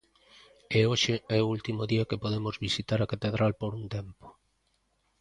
E hoxe é o último día que podemos visitar a catedral por un tempo.